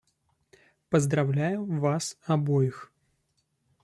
Поздравляю вас обоих.